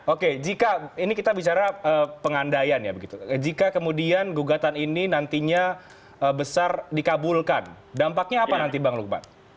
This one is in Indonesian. oke jika ini kita bicara pengandaian ya begitu jika kemudian gugatan ini nantinya besar dikabulkan dampaknya apa nanti bang lukman